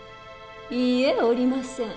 いいえおりません。